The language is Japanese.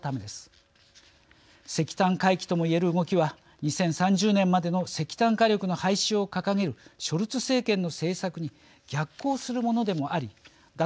石炭回帰とも言える動きは２０３０年までの石炭火力の廃止を掲げるショルツ政権の政策に逆行するものでもあり脱